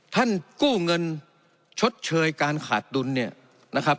กู้เงินชดเชยการขาดดุลเนี่ยนะครับ